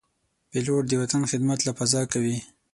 پیلوټ د وطن خدمت له فضا کوي.